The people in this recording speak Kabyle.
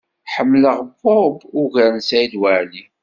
Ḥemmleɣ Bob ugar n Saɛid Waɛli.